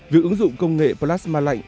việc ứng dụng công nghệ plasma lạnh